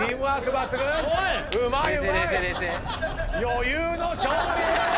余裕の勝利！